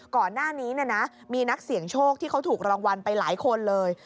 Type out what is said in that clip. ก่อนหน้านี้มีนักเสี่ยงโชคที่เขาถูกรางวัลไปหลายคนเลย